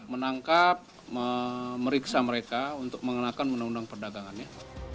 menangkap meriksa mereka untuk mengenakan menundang perdagangannya